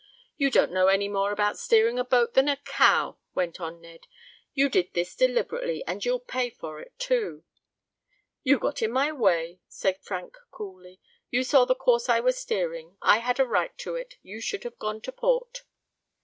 "You don't know any more about steering a boat than a cow!" went on Ned. "You did this deliberately, and you'll pay for it, too." "You got in my way," said Frank coolly. "You saw the course I was steering. I had a right to it. You should have gone to port."